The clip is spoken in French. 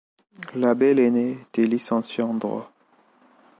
L'abbé Lesné était licencié en droit.